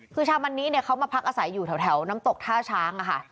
คือชาวมันนี้เนี่ยเขามาพักอาศัยอยู่แถวน้ำตกท่าช้างค่ะ